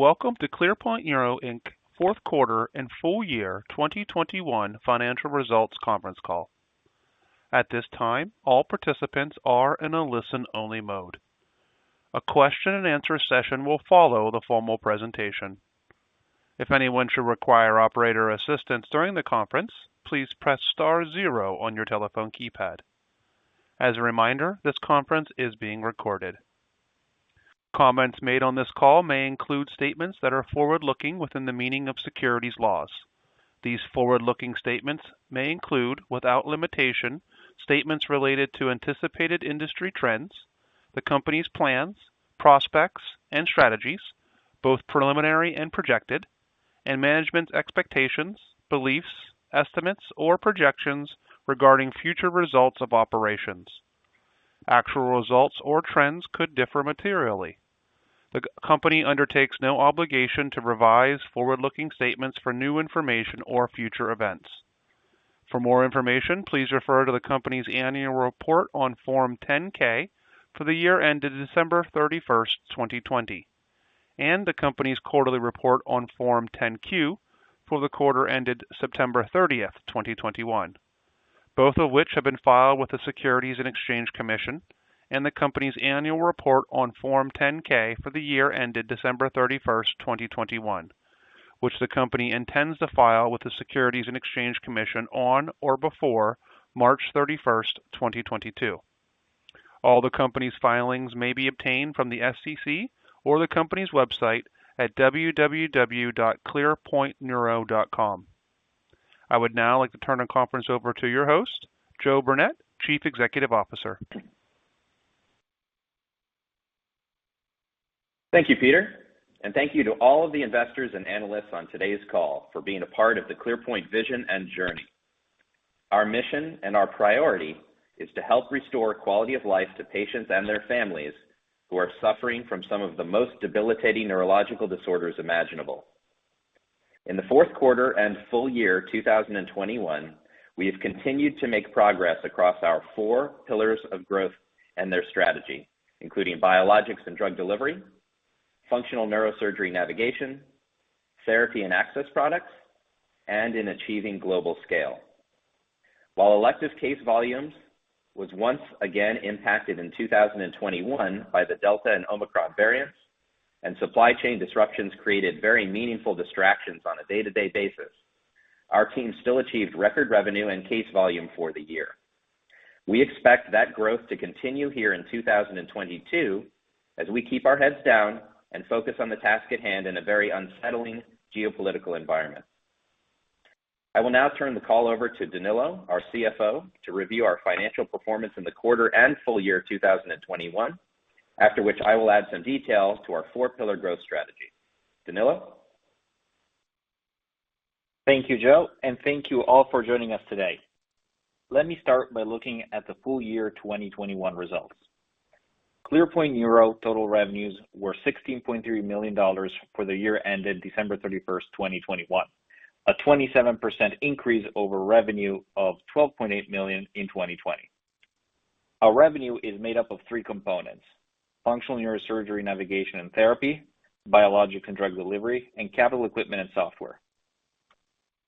Greetings, and welcome to ClearPoint Neuro, Inc.'s fourth quarter and full year 2021 financial results conference call. At this time, all participants are in a listen-only mode. A question and answer session will follow the formal presentation. If anyone should require operator assistance during the conference, please press star zero on your telephone keypad. As a reminder, this conference is being recorded. Comments made on this call may include statements that are forward-looking within the meaning of securities laws. These forward-looking statements may include, without limitation, statements related to anticipated industry trends, the company's plans, prospects, and strategies, both preliminary and projected, and management's expectations, beliefs, estimates, or projections regarding future results of operations. Actual results or trends could differ materially. The company undertakes no obligation to revise forward-looking statements for new information or future events. For more information, please refer to the company's annual report on Form 10-K for the year ended December 31st, 2020, and the company's quarterly report on Form 10-Q for the quarter ended September 30th, 2021, both of which have been filed with the Securities and Exchange Commission and the company's annual report on Form 10-K for the year ended December 31st, 2021, which the company intends to file with the Securities and Exchange Commission on or before March 31st, 2022. All the company's filings may be obtained from the SEC or the company's website at www.clearpointneuro.com. I would now like to turn the conference over to your host, Joe Burnett, Chief Executive Officer. Thank you, Peter, and thank you to all of the investors and analysts on today's call for being a part of the ClearPoint Neuro vision and journey. Our mission and our priority is to help restore quality of life to patients and their families who are suffering from some of the most debilitating neurological disorders imaginable. In the fourth quarter and full year 2021, we have continued to make progress across our four pillars of growth and their strategy, including Biologics and Drug Delivery, Functional Neurosurgery Navigation, Therapy and Access Products, and in Achieving Global Scale. While elective case volumes was once again impacted in 2021 by the Delta and Omicron variants, and supply chain disruptions created very meaningful distractions on a day-to-day basis, our team still achieved record revenue and case volume for the year. We expect that growth to continue here in 2022, as we keep our heads down and focus on the task at hand in a very unsettling geopolitical environment. I will now turn the call over to Danilo, our CFO, to review our financial performance in the quarter and full year 2021. After which, I will add some details to our 4-pillar growth strategy. Danilo? Thank you, Joe, and thank you all for joining us today. Let me start by looking at the full year 2021 results. ClearPoint Neuro total revenues were $16.3 million for the year ended December 31st, 2021, a 27% increase over revenue of $12.8 million in 2020. Our revenue is made up of three components, Functional Neurosurgery Navigation and Therapy, Biologics and Drug Delivery, and Capital Equipment and Software.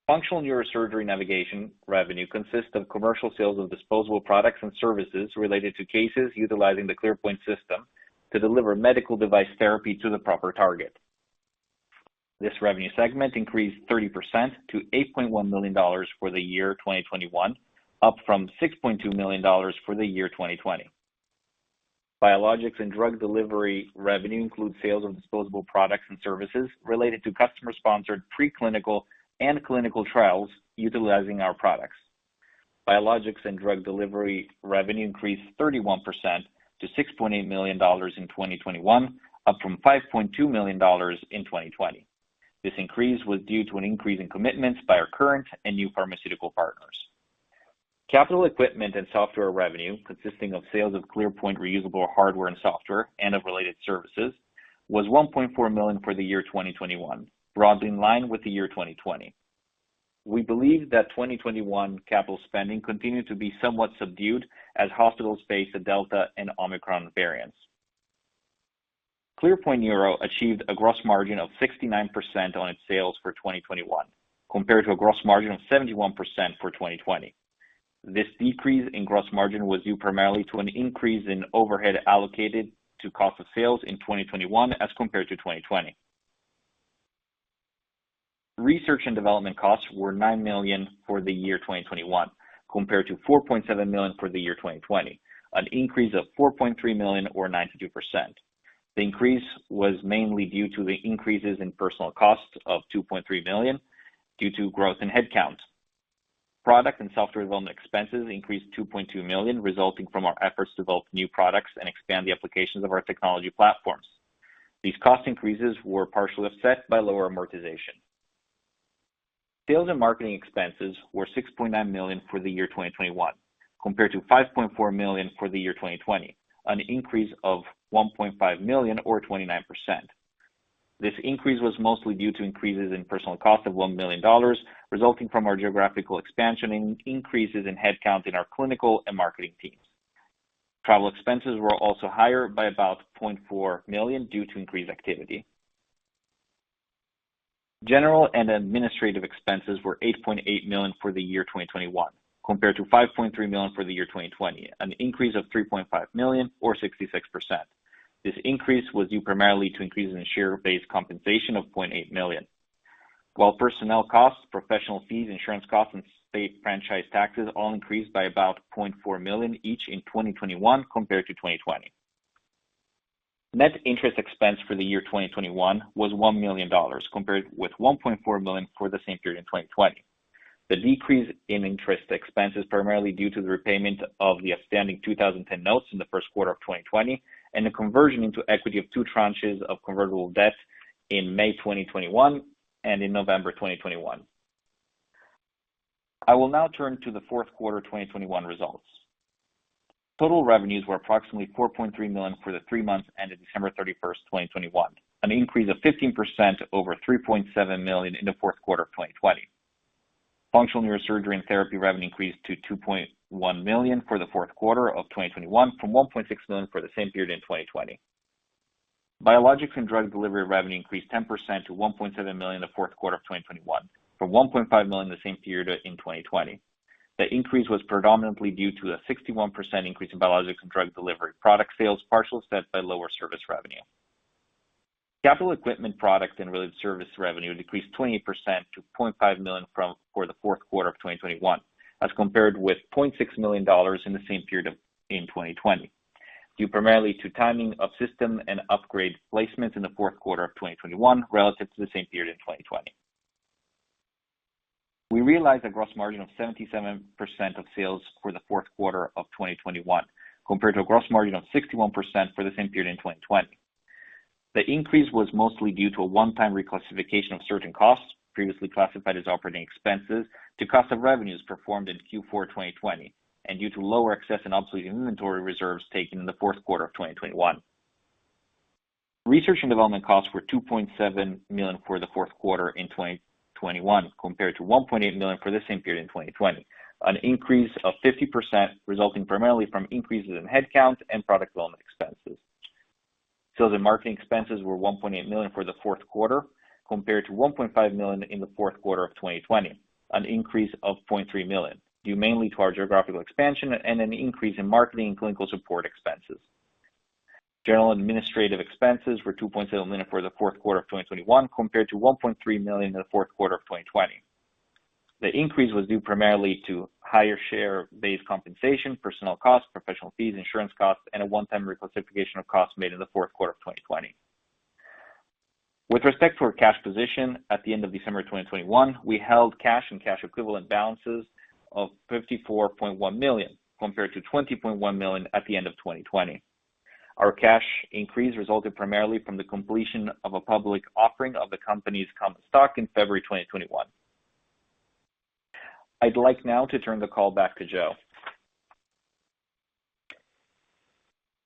Functional Neurosurgery Navigation revenue consists of commercial sales of disposable products and services related to cases utilizing the ClearPoint system to deliver medical device therapy to the proper target. This revenue segment increased 30% to $8.1 million for the year 2021, up from $6.2 million for the year 2020. Biologics and Drug Delivery revenue includes sales of disposable products and services related to customer-sponsored preclinical and clinical trials utilizing our products. Biologics and Drug Delivery revenue increased 31% to $6.8 million in 2021, up from $5.2 million in 2020. This increase was due to an increase in commitments by our current and new pharmaceutical partners. Capital equipment and software revenue, consisting of sales of ClearPoint reusable hardware and software and of related services, was $1.4 million for the year 2021, broadly in line with the year 2020. We believe that 2021 capital spending continued to be somewhat subdued as hospitals faced the Delta and Omicron variants. ClearPoint Neuro achieved a gross margin of 69% on its sales for 2021 compared to a gross margin of 71% for 2020. This decrease in gross margin was due primarily to an increase in overhead allocated to cost of sales in 2021 as compared to 2020. Research and development costs were $9 million for the year 2021 compared to $4.7 million for the year 2020, an increase of $4.3 million or 92%. The increase was mainly due to the increases in personnel costs of $2.3 million due to growth in headcount. Product and software development expenses increased $2.2 million, resulting from our efforts to develop new products and expand the applications of our technology platforms. These cost increases were partially offset by lower amortization. Sales and marketing expenses were $6.9 million for the year 2021 compared to $5.4 million for the year 2020, an increase of $1.5 million or 29%. This increase was mostly due to increases in personnel cost of $1 million resulting from our geographical expansion and increases in headcount in our clinical and marketing teams. Travel expenses were also higher by about $0.4 million due to increased activity. General and administrative expenses were $8.8 million for the year 2021, compared to $5.3 million for the year 2020, an increase of $3.5 million or 66%. This increase was due primarily to increases in share-based compensation of $0.8 million. While personnel costs, professional fees, insurance costs, and state franchise taxes all increased by about $0.4 million each in 2021 compared to 2020. Net interest expense for the year 2021 was $1 million, compared with $1.4 million for the same period in 2020. The decrease in interest expense is primarily due to the repayment of the outstanding 2010 notes in the first quarter of 2020, and the conversion into equity of two tranches of convertible debt in May 2021 and in November 2021. I will now turn to the fourth quarter 2021 results. Total revenues were approximately $4.3 million for the three months ended December 31, 2021, an increase of 15% over $3.7 million in the fourth quarter of 2020. Functional Neurosurgery and Therapy revenue increased to $2.1 million for the fourth quarter of 2021 from $1.6 million for the same period in 2020. Biologics and Drug Delivery revenue increased 10% to $1.7 million in the fourth quarter of 2021 from $1.5 million for the same period in 2020. The increase was predominantly due to a 61% increase in Biologics and Drug Delivery product sales, partially offset by lower service revenue. Capital equipment products and related service revenue decreased 20% to $0.5 million for the fourth quarter of 2021, as compared with $0.6 million in the same period in 2020, due primarily to timing of system and upgrade placements in the fourth quarter of 2021 relative to the same period in 2020. We realized a gross margin of 77% of sales for the fourth quarter of 2021, compared to a gross margin of 61% for the same period in 2020. The increase was mostly due to a one-time reclassification of certain costs previously classified as operating expenses to cost of revenues performed in Q4 2020, and due to lower excess and obsolete inventory reserves taken in the fourth quarter of 2021. Research and development costs were $2.7 million for the fourth quarter in 2021, compared to $1.8 million for the same period in 2020, an increase of 50% resulting primarily from increases in headcount and product development expenses. Sales and marketing expenses were $1.8 million for the fourth quarter compared to $1.5 million in the fourth quarter of 2020, an increase of $0.3 million due mainly to our geographical expansion and an increase in marketing and clinical support expenses. General and administrative expenses were $2.7 million for the fourth quarter of 2021 compared to $1.3 million in the fourth quarter of 2020. The increase was due primarily to higher share-based compensation, personnel costs, professional fees, insurance costs, and a one-time reclassification of costs made in the fourth quarter of 2020. With respect to our cash position at the end of December 2021, we held cash and cash equivalent balances of $54.1 million, compared to $20.1 million at the end of 2020. Our cash increase resulted primarily from the completion of a public offering of the company's common stock in February 2021. I'd like now to turn the call back to Joe.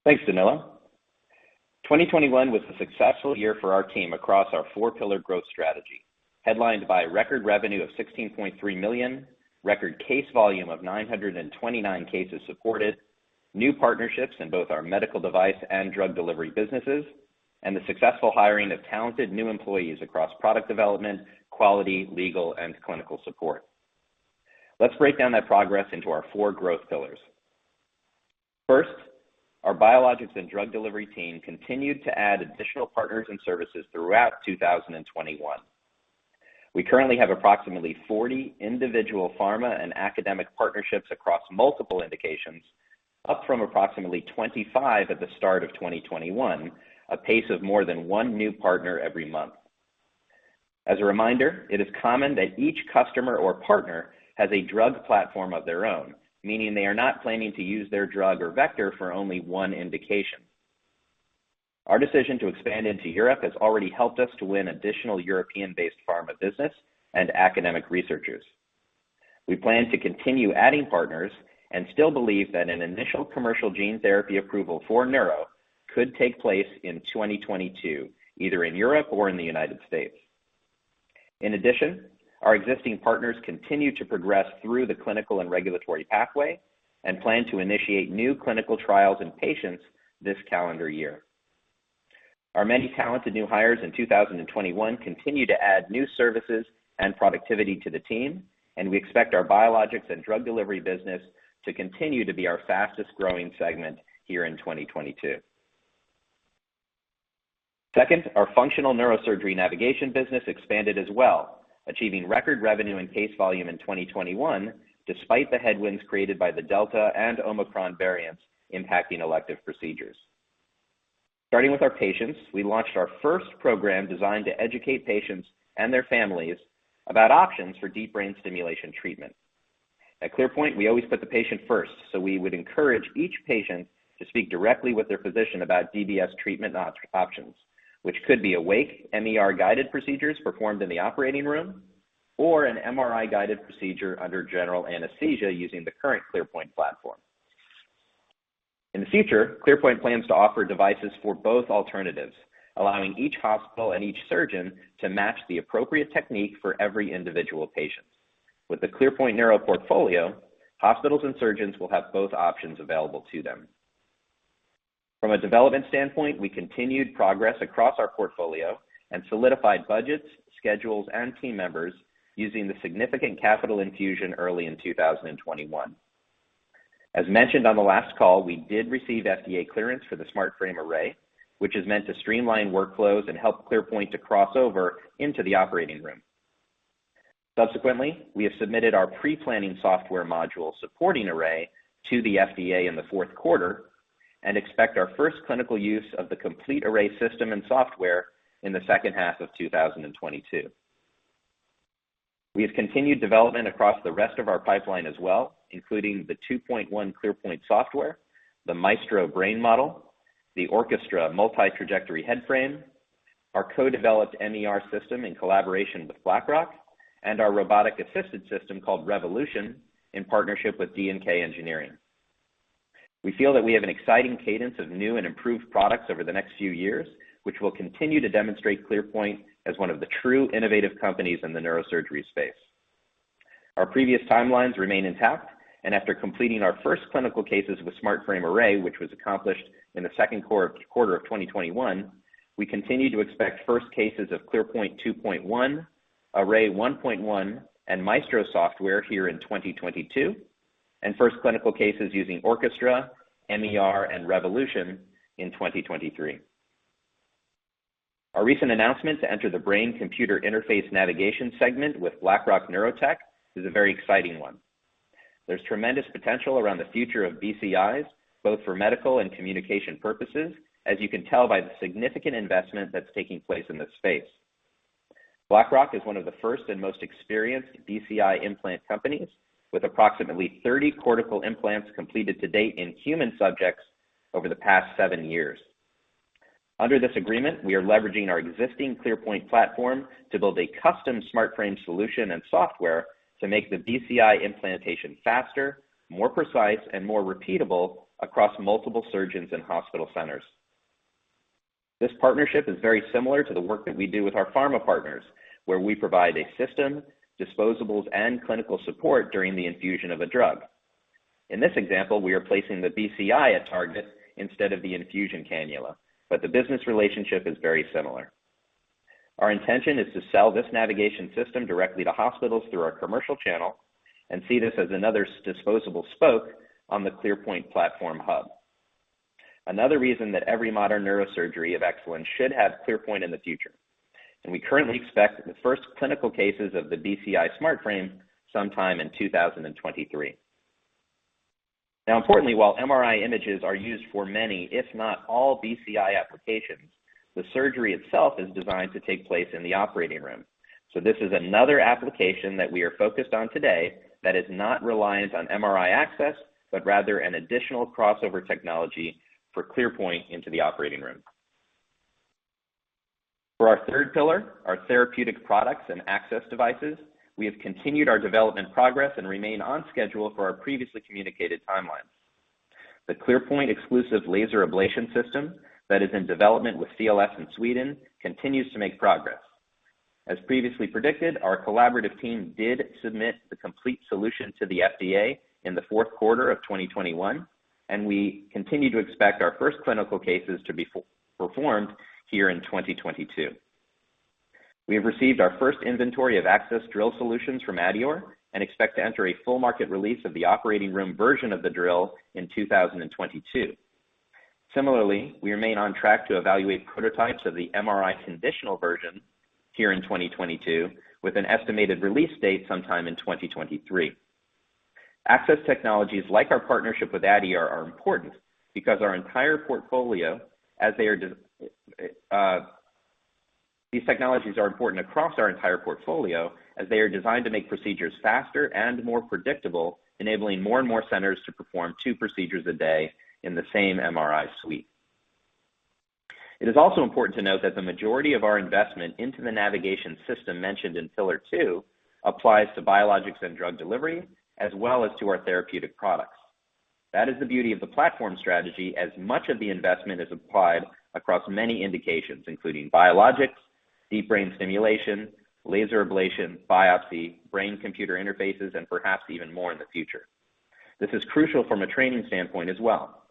Thanks, Danilo. 2021 was a successful year for our team across our four pillar growth strategy, headlined by record revenue of $16.3 million, record case volume of 929 cases supported, new partnerships in both our medical device and drug delivery businesses, and the successful hiring of talented new employees across product development, quality, legal, and clinical support. Let's break down that progress into our four growth pillars. First, our biologics and drug delivery team continued to add additional partners and services throughout 2021. We currently have approximately 40 individual pharma and academic partnerships across multiple indications, up from approximately 25 at the start of 2021, a pace of more than one new partner every month. As a reminder, it is common that each customer or partner has a drug platform of their own, meaning they are not planning to use their drug or vector for only one indication. Our decision to expand into Europe has already helped us to win additional European-based pharma business and academic researchers. We plan to continue adding partners and still believe that an initial commercial gene therapy approval for Neuro could take place in 2022, either in Europe or in the United States. In addition, our existing partners continue to progress through the clinical and regulatory pathway and plan to initiate new clinical trials in patients this calendar year. Our many talented new hires in 2021 continue to add new services and productivity to the team, and we expect our Biologics and Drug Delivery business to continue to be our fastest growing segment here in 2022. Second, our Functional Neurosurgery Navigation business expanded as well, achieving record revenue and case volume in 2021, despite the headwinds created by the Delta and Omicron variants impacting elective procedures. Starting with our patients, we launched our first program designed to educate patients and their families about options for deep brain stimulation treatment. At ClearPoint, we always put the patient first, so we would encourage each patient to speak directly with their physician about DBS treatment options, which could be awake MER-guided procedures performed in the operating room or an MRI-guided procedure under general anesthesia using the current ClearPoint platform. In the future, ClearPoint plans to offer devices for both alternatives, allowing each hospital and each surgeon to match the appropriate technique for every individual patient. With the ClearPoint Neuro portfolio, hospitals and surgeons will have both options available to them. From a development standpoint, we continued progress across our portfolio and solidified budgets, schedules, and team members using the significant capital infusion early in 2021. As mentioned on the last call, we did receive FDA clearance for the SmartFrame Array, which is meant to streamline workflows and help ClearPoint to cross over into the operating room. Subsequently, we have submitted our pre-planning software module supporting Array to the FDA in the fourth quarter and expect our first clinical use of the complete Array system and software in the second half of 2022. We have continued development across the rest of our pipeline as well, including the ClearPoint 2.1 software, the Maestro Brain Model, the Orchestra multi-trajectory head frame, our co-developed MER system in collaboration with Blackrock Neurotech, and our robotic-assisted system called Revolution in partnership with D&K Engineering. We feel that we have an exciting cadence of new and improved products over the next few years, which will continue to demonstrate ClearPoint as one of the true innovative companies in the neurosurgery space. Our previous timelines remain intact, and after completing our first clinical cases with SmartFrame Array, which was accomplished in the second quarter of 2021, we continue to expect first cases of ClearPoint 2.1, SmartFrame Array 1.1, and Maestro software here in 2022, and first clinical cases using Orchestra, MER, and Revolution in 2023. Our recent announcement to enter the brain computer interface navigation segment with Blackrock Neurotech is a very exciting one. There's tremendous potential around the future of BCIs, both for medical and communication purposes, as you can tell by the significant investment that's taking place in this space. Blackrock is one of the first and most experienced BCI implant companies, with approximately 30 cortical implants completed to date in human subjects over the past seven years. Under this agreement, we are leveraging our existing ClearPoint platform to build a custom SmartFrame solution and software to make the BCI implantation faster, more precise, and more repeatable across multiple surgeons and hospital centers. This partnership is very similar to the work that we do with our pharma partners, where we provide a system, disposables, and clinical support during the infusion of a drug. In this example, we are placing the BCI at target instead of the infusion cannula, but the business relationship is very similar. Our intention is to sell this navigation system directly to hospitals through our commercial channel and see this as another disposable spoke on the ClearPoint platform hub. Another reason that every modern neurosurgery of excellence should have ClearPoint in the future, and we currently expect the first clinical cases of the BCI SmartFrame sometime in 2023. Now importantly, while MRI images are used for many, if not all BCI applications, the surgery itself is designed to take place in the operating room. This is another application that we are focused on today that is not reliant on MRI access, but rather an additional crossover technology for ClearPoint into the operating room. For our third pillar, our therapeutic products and access devices, we have continued our development progress and remain on schedule for our previously communicated timelines. The ClearPoint exclusive laser ablation system that is in development with CLS in Sweden continues to make progress. As previously predicted, our collaborative team did submit the complete solution to the FDA in the fourth quarter of 2021, and we continue to expect our first clinical cases to be performed here in 2022. We have received our first inventory of access drill solutions from adeor and expect to enter a full market release of the operating room version of the drill in 2022. Similarly, we remain on track to evaluate prototypes of the MRI conditional version here in 2022 with an estimated release date sometime in 2023. Access technologies like our partnership with adeor are important because these technologies are important across our entire portfolio as they are designed to make procedures faster and more predictable, enabling more and more centers to perform two procedures a day in the same MRI suite. It is also important to note that the majority of our investment into the navigation system mentioned in pillar two applies to biologics and drug delivery as well as to our therapeutic products. That is the beauty of the platform strategy as much of the investment is applied across many indications, including biologics, deep brain stimulation, laser ablation, biopsy, brain-computer interfaces, and perhaps even more in the future. This is crucial from a training standpoint as well.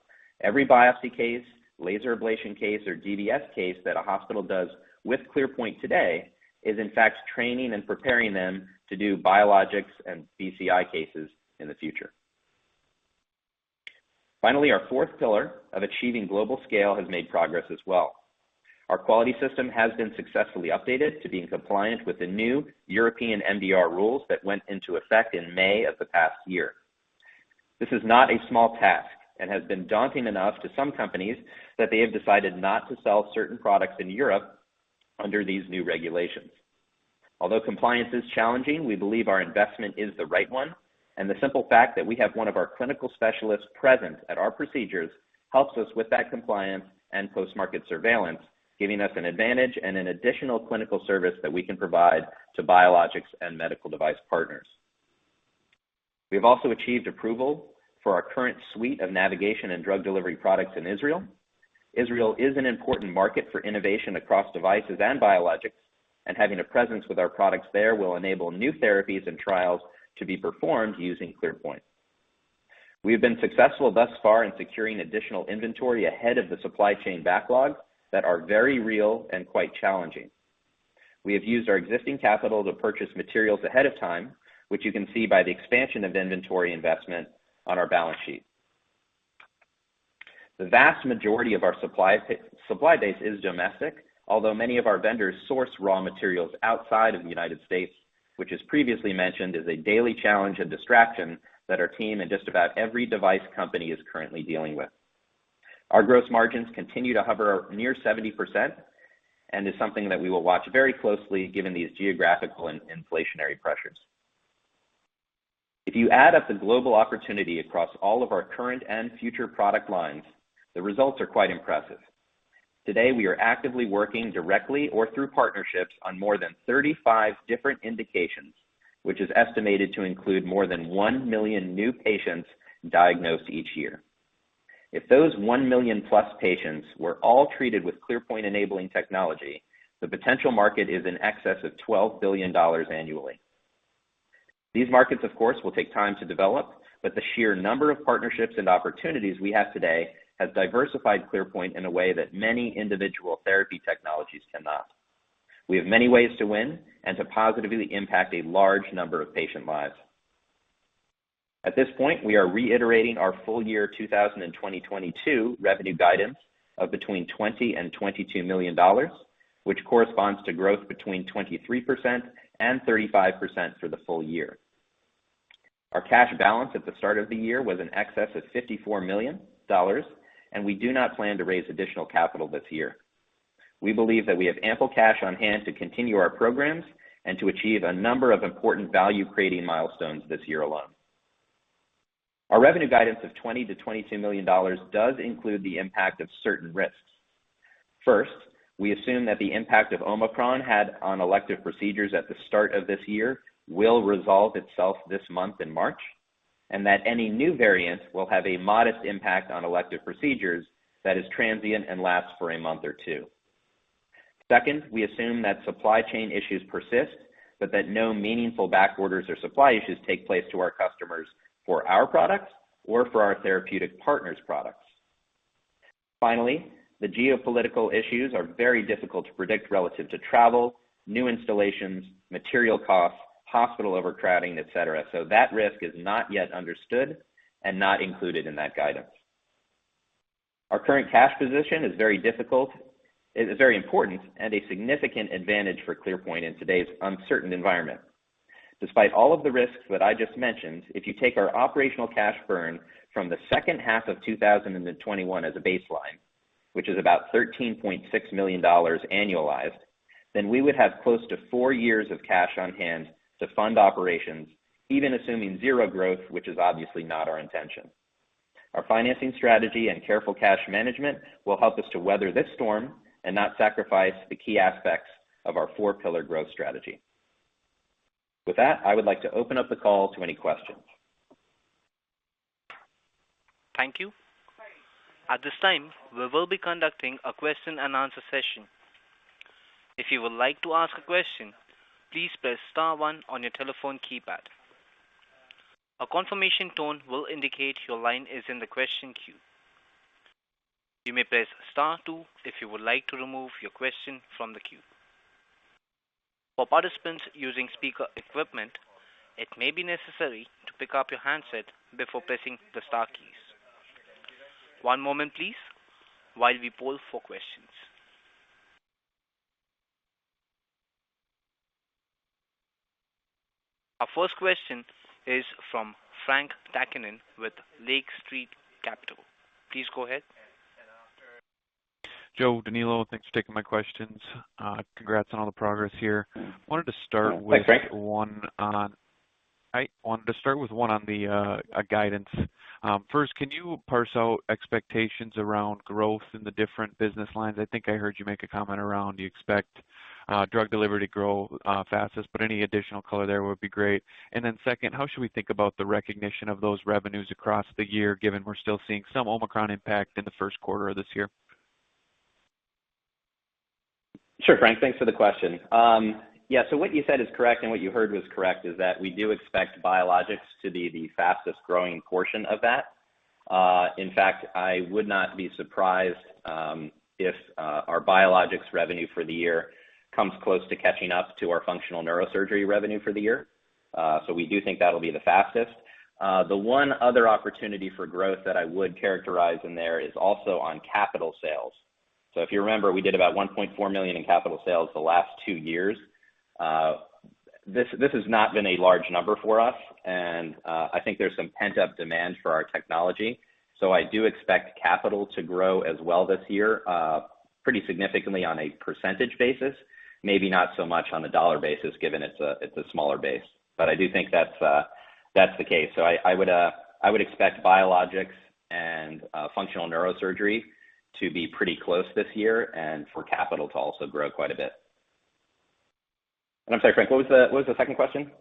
Every biopsy case, laser ablation case, or DBS case that a hospital does with ClearPoint today is in fact training and preparing them to do biologics and BCI cases in the future. Finally, our fourth pillar of achieving global scale has made progress as well. Our quality system has been successfully updated to be in compliance with the new European MDR rules that went into effect in May of the past year. This is not a small task and has been daunting enough to some companies that they have decided not to sell certain products in Europe under these new regulations. Although compliance is challenging, we believe our investment is the right one, and the simple fact that we have one of our clinical specialists present at our procedures helps us with that compliance and post-market surveillance, giving us an advantage and an additional clinical service that we can provide to biologics and medical device partners. We have also achieved approval for our current suite of navigation and drug delivery products in Israel. Israel is an important market for innovation across devices and biologics, and having a presence with our products there will enable new therapies and trials to be performed using ClearPoint. We have been successful thus far in securing additional inventory ahead of the supply chain backlog that are very real and quite challenging. We have used our existing capital to purchase materials ahead of time, which you can see by the expansion of inventory investment on our balance sheet. The vast majority of our supply base is domestic, although many of our vendors source raw materials outside of the United States, which, as previously mentioned, is a daily challenge and distraction that our team and just about every device company is currently dealing with. Our gross margins continue to hover near 70% and is something that we will watch very closely given these geographical and inflationary pressures. If you add up the global opportunity across all of our current and future product lines, the results are quite impressive. Today, we are actively working directly or through partnerships on more than 35 different indications, which is estimated to include more than one million new patients diagnosed each year. If those one million-plus patients were all treated with ClearPoint enabling technology, the potential market is in excess of $12 billion annually. These markets, of course, will take time to develop, but the sheer number of partnerships and opportunities we have today has diversified ClearPoint in a way that many individual therapy technologies cannot. We have many ways to win and to positively impact a large number of patient lives. At this point, we are reiterating our full year 2022 revenue guidance of between $20 million and $22 million, which corresponds to growth between 23% and 35% for the full year. Our cash balance at the start of the year was in excess of $54 million, and we do not plan to raise additional capital this year. We believe that we have ample cash on hand to continue our programs and to achieve a number of important value-creating milestones this year alone. Our revenue guidance of $20 million-$22 million does include the impact of certain risks. First, we assume that the impact of Omicron had on elective procedures at the start of this year will resolve itself this month in March, and that any new variants will have a modest impact on elective procedures that is transient and lasts for a month or two. Second, we assume that supply chain issues persist, but that no meaningful back orders or supply issues take place to our customers for our products or for our therapeutic partners' products. Finally, the geopolitical issues are very difficult to predict relative to travel, new installations, material costs, hospital overcrowding, et cetera. That risk is not yet understood and not included in that guidance. Our current cash position is very important and a significant advantage for ClearPoint in today's uncertain environment. Despite all of the risks that I just mentioned, if you take our operational cash burn from the second half of 2021 as a baseline, which is about $13.6 million annualized, then we would have close to four years of cash on hand to fund operations, even assuming zero growth, which is obviously not our intention. Our financing strategy and careful cash management will help us to weather this storm and not sacrifice the key aspects of our 4-pillar growth strategy. With that, I would like to open up the call to any questions. Thank you. At this time, we will be conducting a question-and-answer session. If you would like to ask a question, please press star one on your telephone keypad. A confirmation tone will indicate your line is in the question queue. You may press star two if you would like to remove your question from the queue. For participants using speaker equipment, it may be necessary to pick up your handset before pressing the star keys. One moment, please, while we poll for questions. Our first question is from Frank Takkinen with Lake Street Capital. Please go ahead. Joe, Danilo. Thanks for taking my questions. Congrats on all the progress here. Thanks, Frank. I want to start with one on the guidance. First, can you parse out expectations around growth in the different business lines? I think I heard you make a comment around you expect drug delivery to grow fastest, but any additional color there would be great. Second, how should we think about the recognition of those revenues across the year, given we're still seeing some Omicron impact in the first quarter of this year? Sure, Frank, thanks for the question. What you said is correct and what you heard was correct is that we do expect Biologics to be the fastest growing portion of that. In fact, I would not be surprised if our Biologics revenue for the year comes close to catching up to our Functional Neurosurgery revenue for the year. We do think that'll be the fastest. The one other opportunity for growth that I would characterize in there is also on capital sales. If you remember, we did about $1.4 million in capital sales the last two years. This has not been a large number for us, and I think there's some pent-up demand for our technology. I do expect capital to grow as well this year, pretty significantly on a percentage basis, maybe not so much on a dollar basis, given it's a smaller base. I do think that's the case. I would expect Biologics and Functional Neurosurgery to be pretty close this year and for capital to also grow quite a bit. I'm sorry, Frank, what was the second question?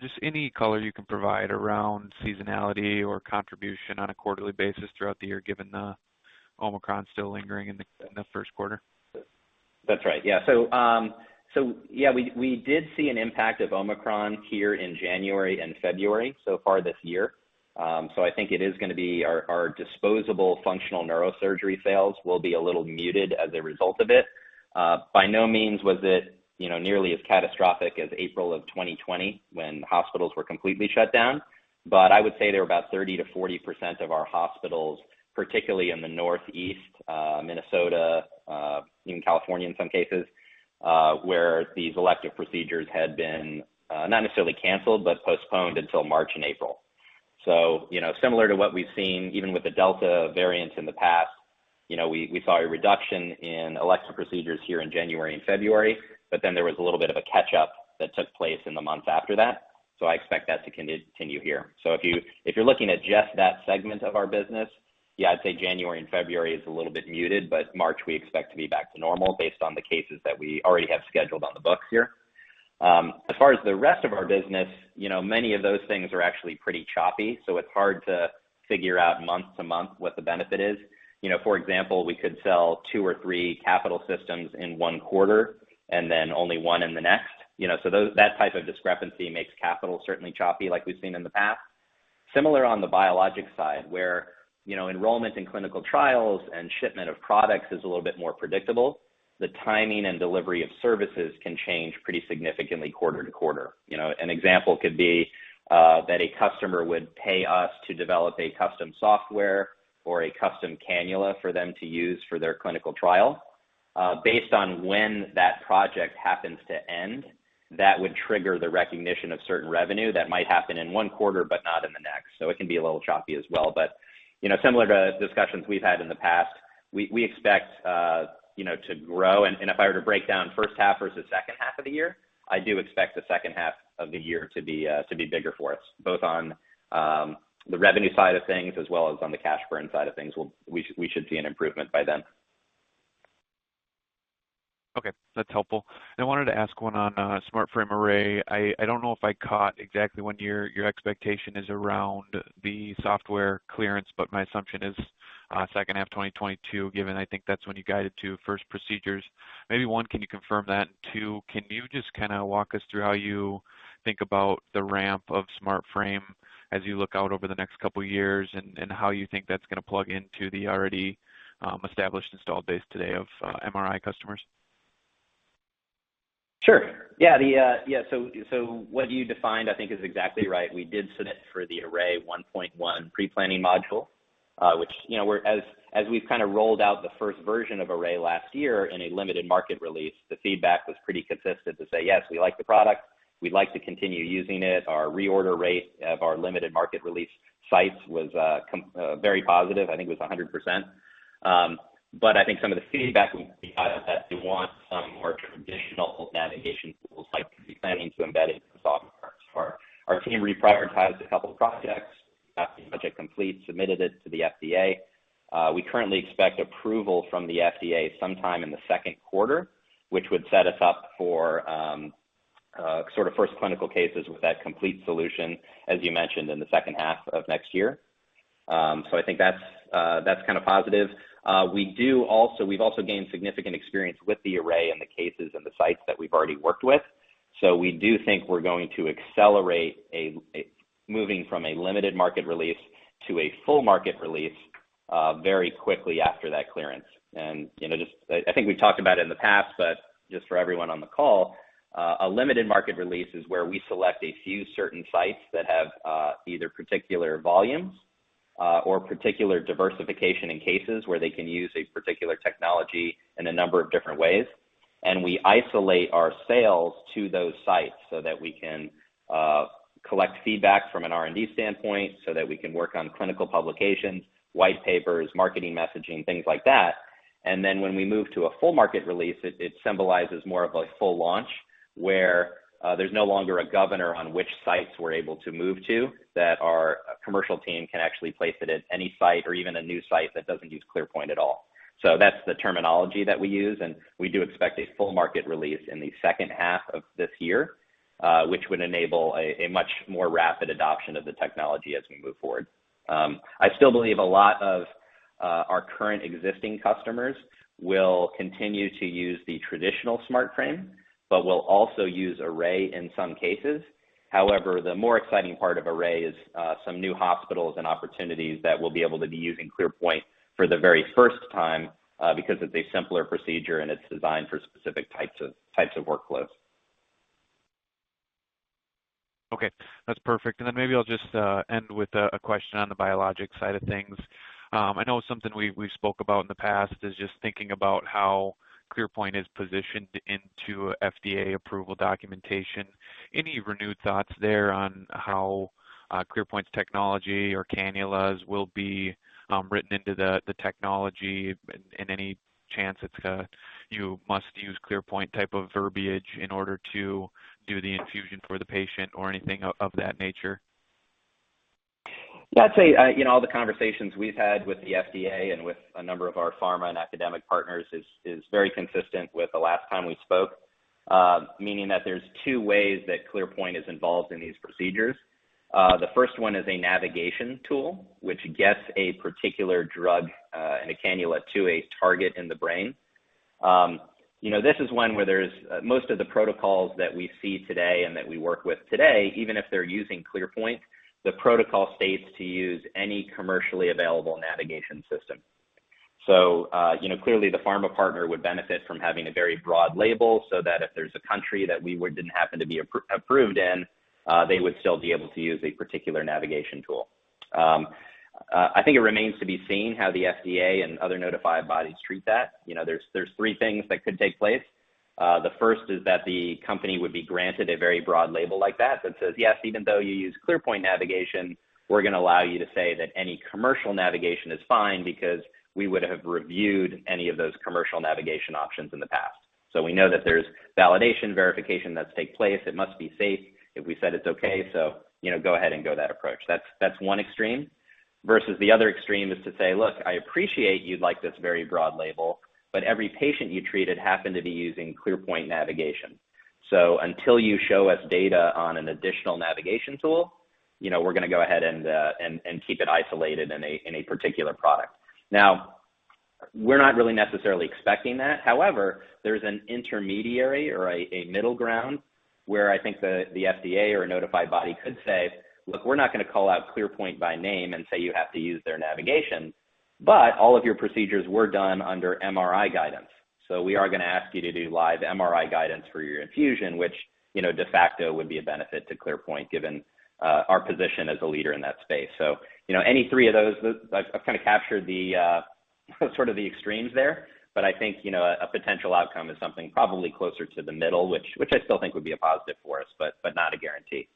Just any color you can provide around seasonality or contribution on a quarterly basis throughout the year, given the Omicron still lingering in the first quarter? That's right. Yeah. We did see an impact of Omicron here in January and February so far this year. I think it is gonna be our disposable Functional Neurosurgery sales will be a little muted as a result of it. By no means was it, you know, nearly as catastrophic as April of 2020 when hospitals were completely shut down. I would say there were about 30%-40% of our hospitals, particularly in the Northeast, Minnesota, even California in some cases, where these elective procedures had been not necessarily canceled, but postponed until March and April. You know, similar to what we've seen, even with the Delta variant in the past, you know, we saw a reduction in elective procedures here in January and February, but then there was a little bit of a catch-up that took place in the months after that. I expect that to continue here. If you're looking at just that segment of our business, yeah, I'd say January and February is a little bit muted, but March, we expect to be back to normal based on the cases that we already have scheduled on the books here. As far as the rest of our business, you know, many of those things are actually pretty choppy, so it's hard to figure out month to month what the benefit is. You know, for example, we could sell two or three capital systems in one quarter and then only one in the next. You know, so that type of discrepancy makes capital certainly choppy like we've seen in the past. Similar on the Biologics side, where, you know, enrollment in clinical trials and shipment of products is a little bit more predictable. The timing and delivery of services can change pretty significantly quarter-to-quarter. You know, an example could be that a customer would pay us to develop a custom software or a custom cannula for them to use for their clinical trial. Based on when that project happens to end, that would trigger the recognition of certain revenue that might happen in one quarter but not in the next. It can be a little choppy as well. You know, similar to discussions we've had in the past, we expect, you know, to grow. If I were to break down first half versus second half of the year, I do expect the second half of the year to be bigger for us, both on the revenue side of things as well as on the cash burn side of things, we should see an improvement by then. Okay, that's helpful. I wanted to ask one on SmartFrame Array. I don't know if I caught exactly when your expectation is around the software clearance, but my assumption is second half 2022, given I think that's when you guided to first procedures. Maybe one, can you confirm that? And two, can you just kinda walk us through how you think about the ramp of SmartFrame as you look out over the next couple years and how you think that's gonna plug into the already established installed base today of MRI customers? What you defined, I think, is exactly right. We did submit for the Array 1.1 pre-planning module, which, you know, as we've kind of rolled out the first version of Array last year in a limited market release, the feedback was pretty consistent to say, "Yes, we like the product. We'd like to continue using it." Our reorder rate of our limited market release sites was very positive. I think it was 100%. But I think some of the feedback we had is that they want some more traditional navigation tools like we're planning to embed it in the software. Our team reprioritized a couple projects, got the project complete, submitted it to the FDA. We currently expect approval from the FDA sometime in the second quarter, which would set us up for sort of first clinical cases with that complete solution, as you mentioned, in the second half of next year. I think that's kind of positive. We also gained significant experience with the Array and the cases and the sites that we've already worked with. We do think we're going to accelerate moving from a limited market release to a full market release very quickly after that clearance. You know, just I think we've talked about it in the past, but just for everyone on the call, a limited market release is where we select a few certain sites that have either particular volumes or particular diversification in cases where they can use a particular technology in a number of different ways. We isolate our sales to those sites so that we can collect feedback from an R&D standpoint, so that we can work on clinical publications, white papers, marketing messaging, things like that. Then when we move to a full market release, it symbolizes more of a full launch where there's no longer a governor on which sites we're able to move to, that our commercial team can actually place it at any site or even a new site that doesn't use ClearPoint at all. That's the terminology that we use, and we do expect a full market release in the second half of this year, which would enable a much more rapid adoption of the technology as we move forward. I still believe a lot of our current existing customers will continue to use the traditional SmartFrame, but will also use Array in some cases. However, the more exciting part of Array is some new hospitals and opportunities that will be able to be using ClearPoint for the very first time, because it's a simpler procedure and it's designed for specific types of workflows. Okay, that's perfect. Maybe I'll just end with a question on the biologic side of things. I know something we spoke about in the past is just thinking about how ClearPoint is positioned into FDA approval documentation. Any renewed thoughts there on how ClearPoint's technology or cannulas will be written into the technology and any chance it's a you must use ClearPoint type of verbiage in order to do the infusion for the patient or anything of that nature? Yeah, I'd say, you know, all the conversations we've had with the FDA and with a number of our pharma and academic partners is very consistent with the last time we spoke, meaning that there's two ways that ClearPoint is involved in these procedures. The first one is a navigation tool, which gets a particular drug and a cannula to a target in the brain. You know, this is one where there's most of the protocols that we see today and that we work with today, even if they're using ClearPoint, the protocol states to use any commercially available navigation system. You know, clearly the pharma partner would benefit from having a very broad label so that if there's a country that we didn't happen to be approved in, they would still be able to use a particular navigation tool. I think it remains to be seen how the FDA and other notified bodies treat that. There's three things that could take place. The first is that the company would be granted a very broad label like that says, "Yes, even though you use ClearPoint navigation, we're gonna allow you to say that any commercial navigation is fine because we would have reviewed any of those commercial navigation options in the past. So we know that there's validation, verification that's taken place. It must be safe if we said it's okay. You know, go ahead and go that approach." That's one extreme. Versus the other extreme is to say, "Look, I appreciate you'd like this very broad label, but every patient you treated happened to be using ClearPoint navigation. So until you show us data on an additional navigation tool, you know, we're gonna go ahead and keep it isolated in a particular product." Now, we're not really necessarily expecting that. However, there's an intermediary or a middle ground where I think the FDA or a notified body could say, "Look, we're not gonna call out ClearPoint by name and say you have to use their navigation, but all of your procedures were done under MRI guidance. We are gonna ask you to do live MRI guidance for your infusion," which, you know, de facto would be a benefit to ClearPoint given our position as a leader in that space. You know, any three of those, I've kind of captured the sort of the extremes there, but I think, you know, a potential outcome is something probably closer to the middle, which I still think would be a positive for us, but not a guarantee.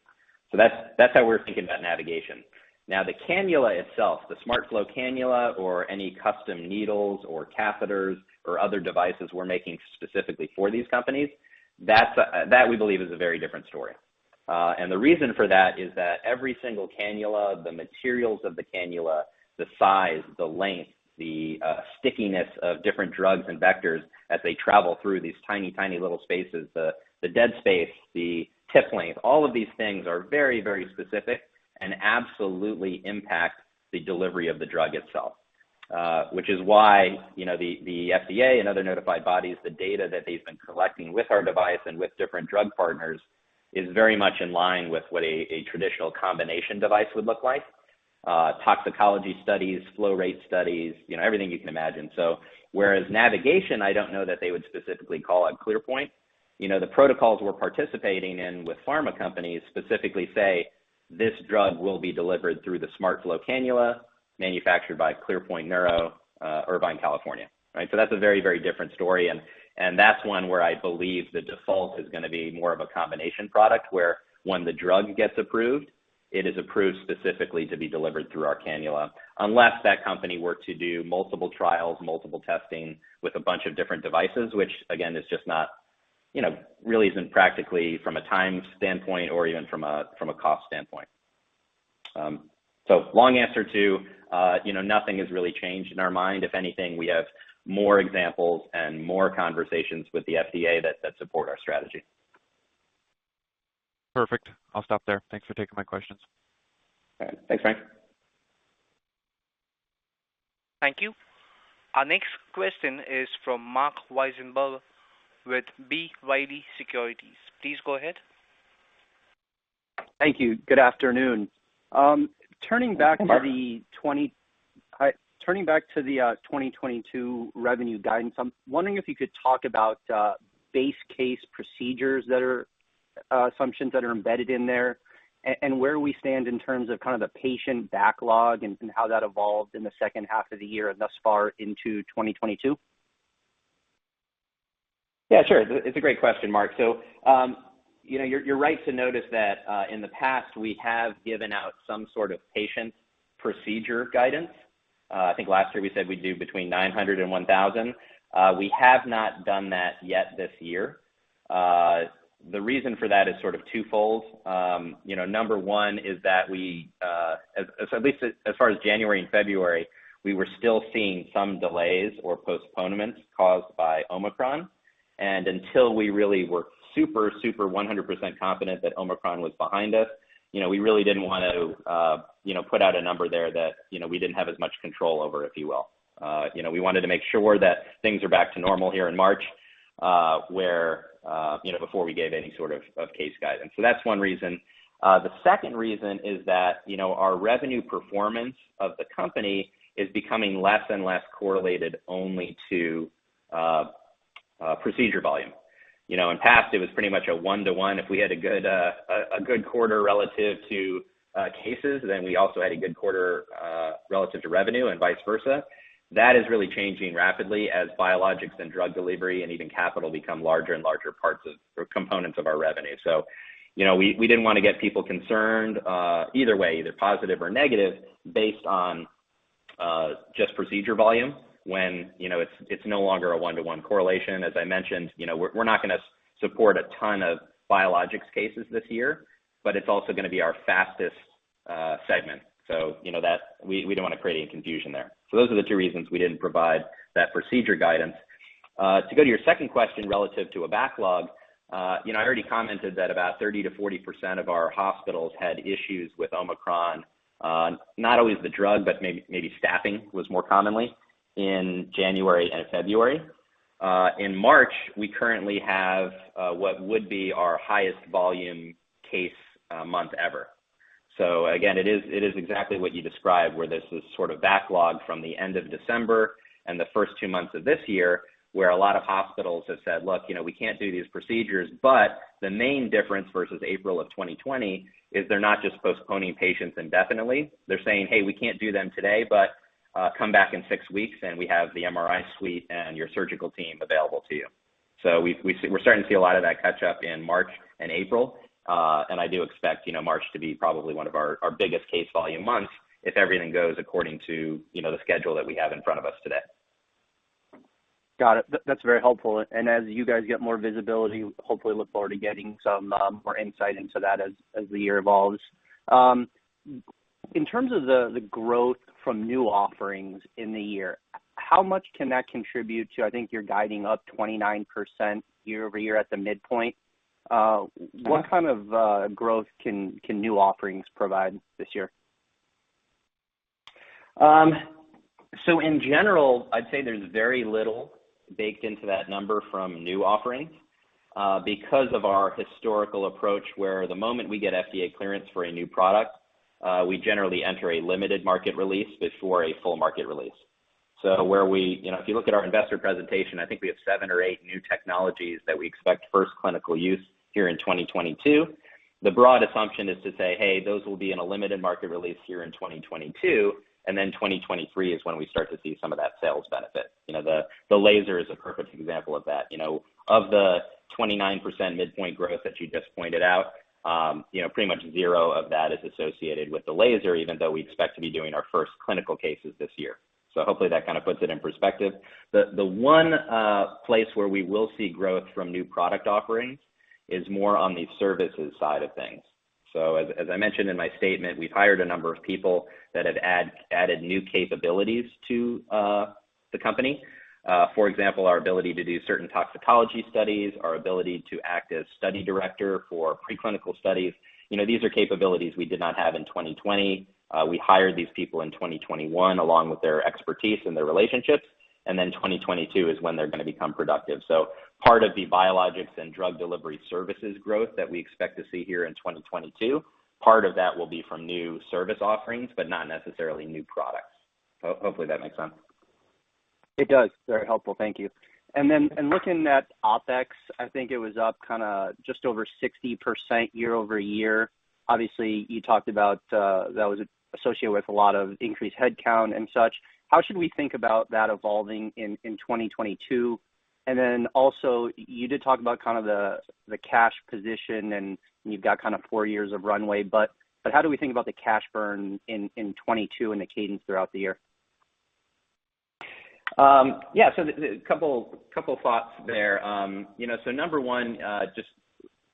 That's how we're thinking about navigation. Now, the cannula itself, the SmartFlow cannula or any custom needles or catheters or other devices we're making specifically for these companies, that's that we believe is a very different story. The reason for that is that every single cannula, the materials of the cannula, the size, the length, the stickiness of different drugs and vectors as they travel through these tiny little spaces, the dead space, the tip length, all of these things are very specific and absolutely impact the delivery of the drug itself. Which is why, you know, the FDA and other notified bodies, the data that they've been collecting with our device and with different drug partners is very much in line with what a traditional combination device would look like. Toxicology studies, flow rate studies, you know, everything you can imagine. Whereas navigation, I don't know that they would specifically call out ClearPoint. You know, the protocols we're participating in with pharma companies specifically say, "This drug will be delivered through the SmartFlow cannula manufactured by ClearPoint Neuro, Irvine, California." Right? That's a very, very different story, and that's one where I believe the default is gonna be more of a combination product, where when the drug gets approved, it is approved specifically to be delivered through our cannula. Unless that company were to do multiple trials, multiple testing with a bunch of different devices, which again, is just not, you know, really isn't practically from a time standpoint or even from a cost standpoint. Long answer to nothing has really changed in our mind. If anything, we have more examples and more conversations with the FDA that support our strategy. Perfect. I'll stop there. Thanks for taking my questions. All right. Thanks, Frank. Thank you. Our next question is from Marc Wiesenberger with B. Riley Securities. Please go ahead. Thank you. Good afternoon. Turning back to the 20- Hi, Mark. Turning back to the 2022 revenue guidance, I'm wondering if you could talk about base case procedures that are assumptions that are embedded in there, and where we stand in terms of kind of the patient backlog and how that evolved in the second half of the year and thus far into 2022? Yeah, sure. It's a great question, Marc. You know, you're right to notice that in the past, we have given out some sort of patient procedure guidance. I think last year we said we'd do between 900 and 1,000. We have not done that yet this year. The reason for that is sort of twofold. You know, number one is that at least as far as January and February, we were still seeing some delays or postponements caused by Omicron. Until we really were super 100% confident that Omicron was behind us, you know, we really didn't want to, you know, put out a number there that, you know, we didn't have as much control over, if you will. You know, we wanted to make sure that things are back to normal here in March, you know, before we gave any sort of case guidance. So that's one reason. The second reason is that, you know, our revenue performance of the company is becoming less and less correlated only to procedure volume. You know, in past, it was pretty much a one-to-one. If we had a good quarter relative to cases, then we also had a good quarter relative to revenue and vice versa. That is really changing rapidly as Biologics and Drug Delivery and even capital become larger and larger parts of or components of our revenue. You know, we didn't wanna get people concerned either way, either positive or negative based on just procedure volume when, you know, it's no longer a one-to-one correlation. As I mentioned, you know, we're not gonna support a ton of biologics cases this year, but it's also gonna be our fastest segment. You know that. We don't wanna create any confusion there. Those are the two reasons we didn't provide that procedure guidance. To go to your second question relative to a backlog, you know, I already commented that about 30%-40% of our hospitals had issues with Omicron, not always the drug, but maybe staffing was more commonly in January and February. In March, we currently have what would be our highest volume case month ever. Again, it is exactly what you described, where there's this sort of backlog from the end of December and the first two months of this year, where a lot of hospitals have said, "Look, you know, we can't do these procedures." The main difference versus April of 2020 is they're not just postponing patients indefinitely. They're saying, "Hey, we can't do them today, but come back in six weeks, and we have the MRI suite and your surgical team available to you." We're starting to see a lot of that catch up in March and April. I do expect, you know, March to be probably one of our biggest case volume months if everything goes according to, you know, the schedule that we have in front of us today. Got it. That’s very helpful. As you guys get more visibility, hopefully look forward to getting some more insight into that as the year evolves. In terms of the growth from new offerings in the year, how much can that contribute to? I think you’re guiding up 29% year-over-year at the midpoint. Yeah. What kind of growth can new offerings provide this year? In general, I'd say there's very little baked into that number from new offerings because of our historical approach, where the moment we get FDA clearance for a new product, we generally enter a limited market release before a full market release. You know, if you look at our investor presentation, I think we have seven or eight new technologies that we expect first clinical use here in 2022. The broad assumption is to say, "Hey, those will be in a limited market release here in 2022, and then 2023 is when we start to see some of that sales benefit." You know, the laser is a perfect example of that. You know, of the 29% midpoint growth that you just pointed out, you know, pretty much zero of that is associated with the laser, even though we expect to be doing our first clinical cases this year. Hopefully that kind of puts it in perspective. The one place where we will see growth from new product offerings is more on the services side of things. As I mentioned in my statement, we've hired a number of people that have added new capabilities to the company. For example, our ability to do certain toxicology studies, our ability to act as study director for preclinical studies. You know, these are capabilities we did not have in 2020. We hired these people in 2021, along with their expertise and their relationships, and then 2022 is when they're gonna become productive. Part of the Biologics and Drug Delivery services growth that we expect to see here in 2022, part of that will be from new service offerings, but not necessarily new products. Hopefully that makes sense. It does. Very helpful. Thank you. Then looking at OpEx, I think it was up kind of just over 60% year-over-year. Obviously, you talked about that was associated with a lot of increased headcount and such. How should we think about that evolving in 2022? Then also, you did talk about kind of the cash position, and you've got kind of four years of runway, but how do we think about the cash burn in 2022 and the cadence throughout the year? Yeah. Couple thoughts there. You know, number one, just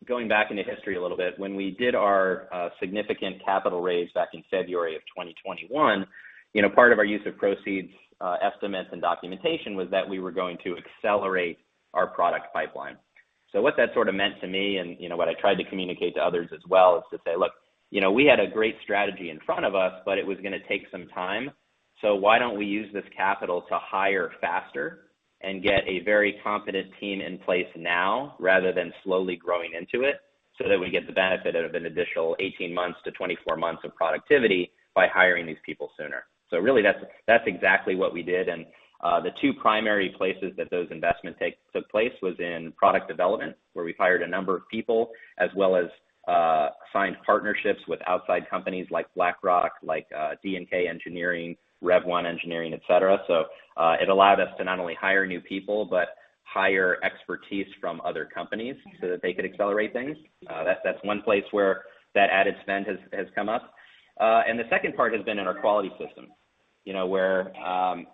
going back into history a little bit, when we did our significant capital raise back in February 2021, you know, part of our use of proceeds estimates and documentation was that we were going to accelerate our product pipeline. What that sort of meant to me, and, you know, what I tried to communicate to others as well, is to say, "Look, you know, we had a great strategy in front of us, but it was gonna take some time. Why don't we use this capital to hire faster and get a very competent team in place now rather than slowly growing into it, so that we get the benefit of an additional 18-24 months of productivity by hiring these people sooner? Really, that's exactly what we did. The two primary places that those investments took place was in product development, where we hired a number of people, as well as signed partnerships with outside companies like Blackrock, like D&K Engineering, Rev.1 Engineering, et cetera. It allowed us to not only hire new people, but hire expertise from other companies so that they could accelerate things. That's one place where that added spend has come up. The second part has been in our quality system, you know, where,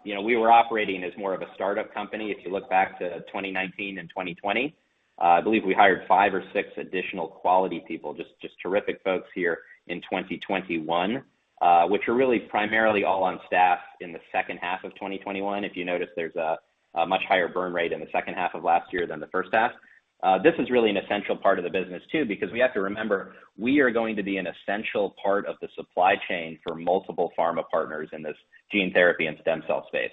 you know, we were operating as more of a startup company, if you look back to 2019 and 2020. I believe we hired five or six additional quality people, just terrific folks here in 2021, which were really primarily all on staff in the second half of 2021. If you notice, there's a much higher burn rate in the second half of last year than the first half. This is really an essential part of the business too, because we have to remember, we are going to be an essential part of the supply chain for multiple pharma partners in this gene therapy and stem cell space.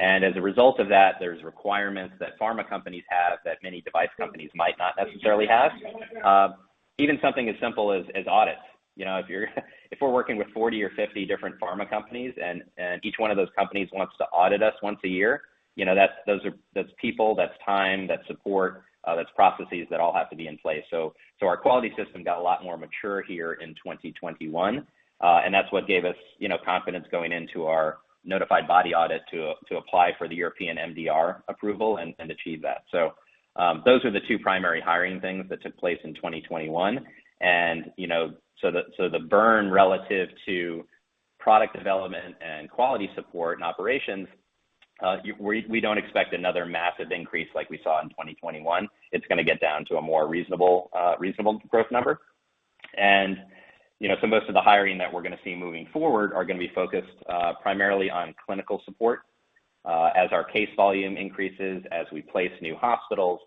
As a result of that, there's requirements that pharma companies have that many device companies might not necessarily have. Even something as simple as audits. You know, if we're working with 40 or 50 different pharma companies and each one of those companies wants to audit us once a year, you know, that's people, that's time, that's support, that's processes that all have to be in place. Our quality system got a lot more mature here in 2021 and that's what gave us, you know, confidence going into our notified body audit to apply for the European MDR approval and achieve that. Those are the two primary hiring things that took place in 2021. The burn relative to product development and quality support and operations. We don't expect another massive increase like we saw in 2021. It's gonna get down to a more reasonable growth number. Most of the hiring that we're gonna see moving forward are gonna be focused primarily on clinical support. As our case volume increases, as we place new hospitals,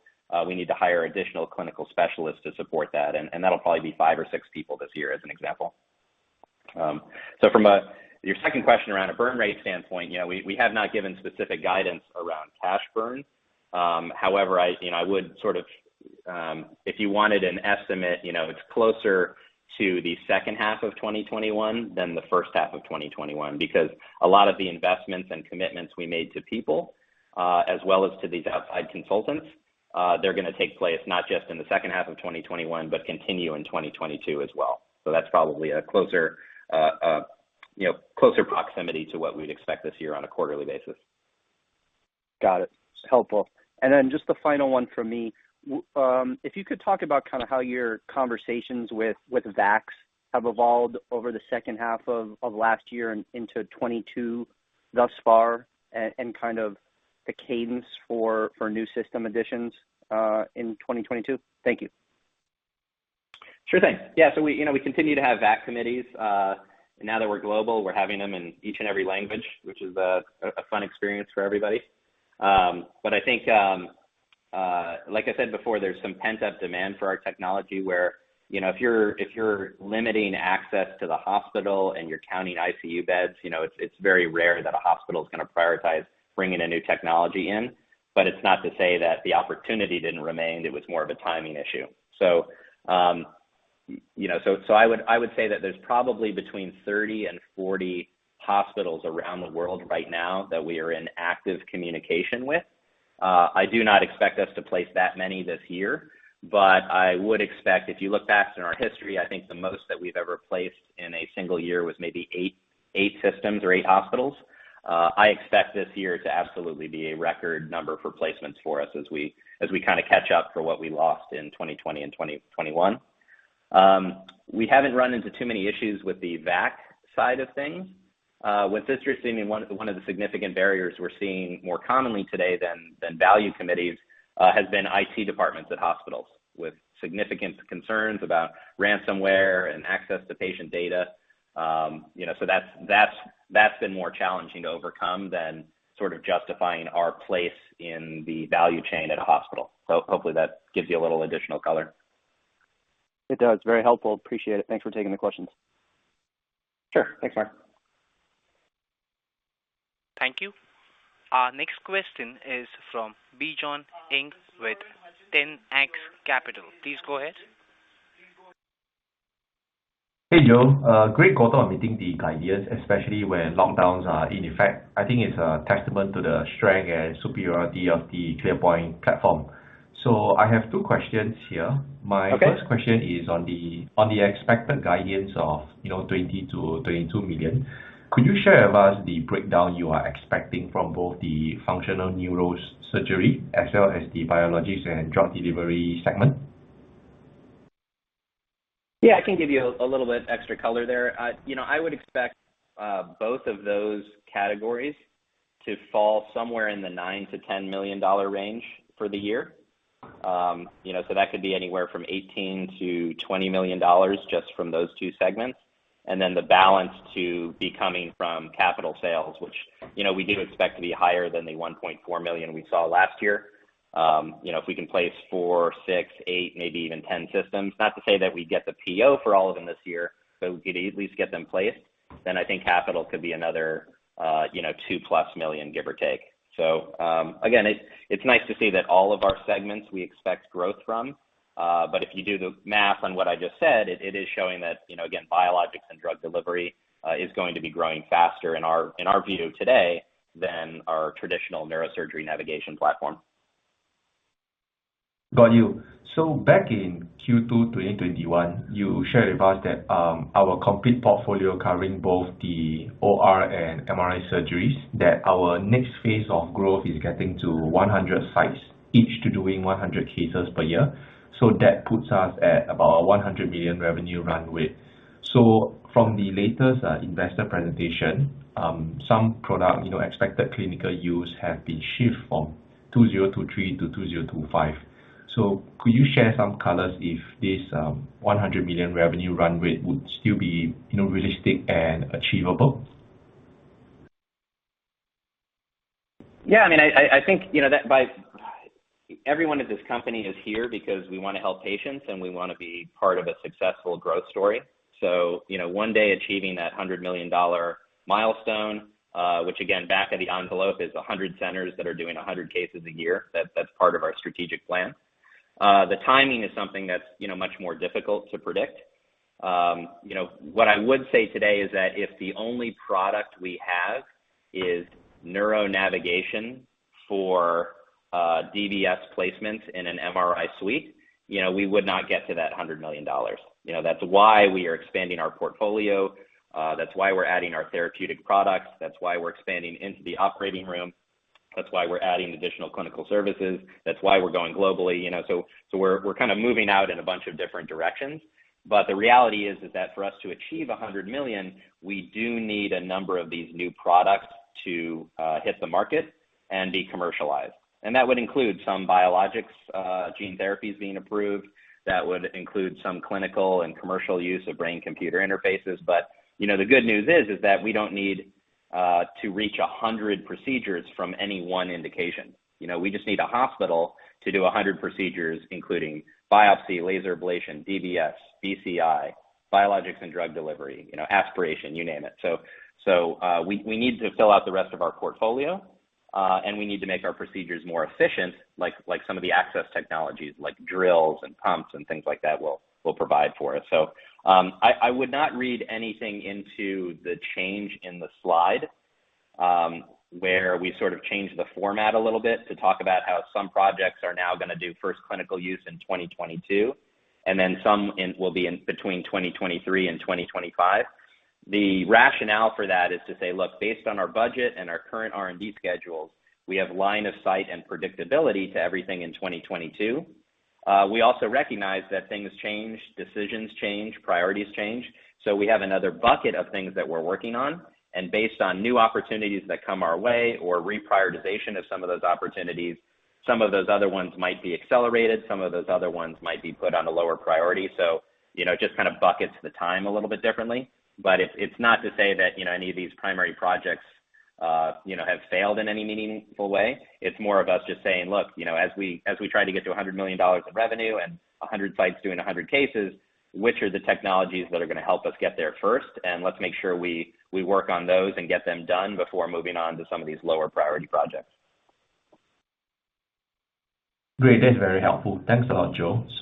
we need to hire additional clinical specialists to support that. That'll probably be five or six people this year, as an example. From your second question around a burn rate standpoint, we have not given specific guidance around cash burn. However, I, you know, I would sort of, if you wanted an estimate, you know, it's closer to the second half of 2021 than the first half of 2021. Because a lot of the investments and commitments we made to people, as well as to these outside consultants, they're gonna take place not just in the second half of 2021, but continue in 2022 as well. That's probably a closer, you know, closer proximity to what we'd expect this year on a quarterly basis. Got it. It's helpful. Then just the final one from me. If you could talk about kinda how your conversations with VACs have evolved over the second half of last year and into 2022 thus far, and kind of the cadence for new system additions in 2022. Thank you. Sure thing. Yeah, we continue to have VACs committees. Now that we're global, we're having them in each and every language, which is a fun experience for everybody. I think, like I said before, there's some pent-up demand for our technology where, you know, if you're limiting access to the hospital and you're counting ICU beds, you know, it's very rare that a hospital is gonna prioritize bringing a new technology in. It's not to say that the opportunity didn't remain. It was more of a timing issue. You know, I would say that there's probably between 30 and 40 hospitals around the world right now that we are in active communication with. I do not expect us to place that many this year. I would expect, if you look back in our history, I think the most that we've ever placed in a single year was maybe eight systems or eight hospitals. I expect this year to absolutely be a record number for placements for us as we catch up for what we lost in 2020 and 2021. We haven't run into too many issues with the VACs side of things. What's interesting and one of the significant barriers we're seeing more commonly today than value committees has been IT departments at hospitals with significant concerns about ransomware and access to patient data. You know, that's been more challenging to overcome than sort of justifying our place in the value chain at a hospital. Hopefully that gives you a little additional color. It does. Very helpful. Appreciate it. Thanks for taking the questions. Sure. Thanks, Marc. Thank you. Our next question is from Bjorn Ng with 10X Capital. Please go ahead. Hey, Joe. Great quarter on meeting the guidance, especially when lockdowns are in effect. I think it's a testament to the strength and superiority of the ClearPoint platform. I have two questions here. Okay. My first question is on the expected guidance of, you know, $20 million-$22 million. Could you share with us the breakdown you are expecting from both the Functional Neurosurgery as well as the Biologics and Drug Delivery segment? Yeah, I can give you a little bit extra color there. You know, I would expect both of those categories to fall somewhere in the $9 million-$10 million range for the year. You know, so that could be anywhere from $18 million-$20 million just from those two segments. Then the balance to be coming from capital sales, which, you know, we do expect to be higher than the $1.4 million we saw last year. You know, if we can place four, six, eight, maybe even 10 systems, not to say that we get the PO for all of them this year, but we could at least get them placed, then I think capital could be another, you know, $2 million+, give or take. It's nice to see that all of our segments we expect growth from. If you do the math on what I just said, it is showing that, you know, again, Biologics and Drug Delivery is going to be growing faster in our view today than our traditional neurosurgery navigation platform. Got you. Back in Q2 2021, you shared with us that our complete portfolio covering both the OR and MRI surgeries, that our next phase of growth is getting to 100 sites, each doing 100 cases per year. That puts us at about a $100 million revenue runway. From the latest investor presentation, some product expected clinical use has been shifted from 2023-2025. Could you share some color if this $100 million revenue runway would still be realistic and achievable? Yeah, I mean, I think, you know, that Everyone at this company is here because we wanna help patients and we wanna be part of a successful growth story. One day achieving that $100 million milestone, which again, back of the envelope is 100 centers that are doing 100 cases a year, that's part of our strategic plan. The timing is something that's, you know, much more difficult to predict. What I would say today is that if the only product we have is neuro navigation for DBS placement in an MRI suite, you know, we would not get to that $100 million. That's why we are expanding our portfolio. That's why we're adding our therapeutic products. That's why we're expanding into the operating room. That's why we're adding additional clinical services. That's why we're going globally. You know, so we're kinda moving out in a bunch of different directions. The reality is that for us to achieve $100 million, we do need a number of these new products to hit the market and be commercialized. That would include some biologics, gene therapies being approved. That would include some clinical and commercial use of brain computer interfaces. You know, the good news is that we don't need to reach 100 procedures from any one indication. You know, we just need a hospital to do 100 procedures including biopsy, laser ablation, DBS, BCI, biologics and drug delivery, you know, aspiration, you name it. We need to fill out the rest of our portfolio, and we need to make our procedures more efficient, like some of the access technologies, like drills and pumps and things like that will provide for us. I would not read anything into the change in the slide, where we sort of changed the format a little bit to talk about how some projects are now gonna do first clinical use in 2022, and then some will be in between 2023 and 2025. The rationale for that is to say, look, based on our budget and our current R&D schedules, we have line of sight and predictability to everything in 2022. We also recognize that things change, decisions change, priorities change. We have another bucket of things that we're working on, and based on new opportunities that come our way or reprioritization of some of those opportunities, some of those other ones might be accelerated, some of those other ones might be put on a lower priority. You know, just kind of buckets the time a little bit differently. It's, it's not to say that, you know, any of these primary projects, you know, have failed in any meaningful way. It's more of us just saying, "Look, you know, as we try to get to $100 million of revenue and 100 sites doing 100 cases, which are the technologies that are gonna help us get there first, and let's make sure we work on those and get them done before moving on to some of these lower priority projects. Great. That's very helpful. Thanks a lot, Joe. That's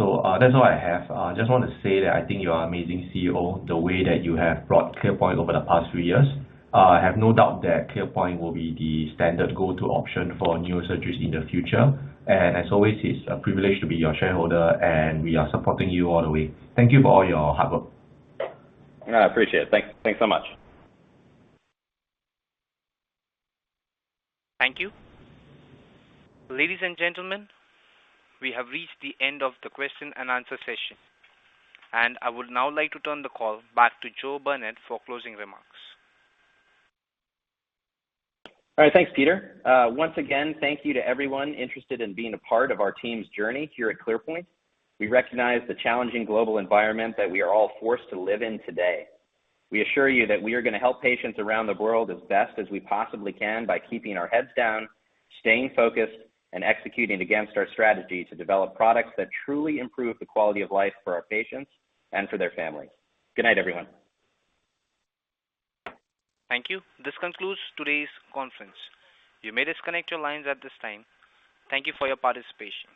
all I have. Just wanna say that I think you're amazing CEO, the way that you have brought ClearPoint over the past few years. I have no doubt that ClearPoint will be the standard go-to option for neurosurgeries in the future. As always, it's a privilege to be your shareholder, and we are supporting you all the way. Thank you for all your hard work. I appreciate it. Thanks. Thanks so much. Thank you. Ladies and gentlemen, we have reached the end of the question and answer session, and I would now like to turn the call back to Joe Burnett for closing remarks. All right. Thanks, Peter. Once again, thank you to everyone interested in being a part of our team's journey here at ClearPoint. We recognize the challenging global environment that we are all forced to live in today. We assure you that we are gonna help patients around the world as best as we possibly can by keeping our heads down, staying focused, and executing against our strategy to develop products that truly improve the quality of life for our patients and for their families. Good night, everyone. Thank you. This concludes today's conference. You may disconnect your lines at this time. Thank you for your participation.